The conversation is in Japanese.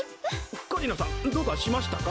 かりなさんどうかしましたか？